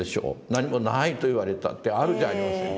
何も無いと言われたってあるじゃありませんか